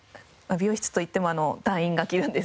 美容室といっても隊員が切るんですけれども。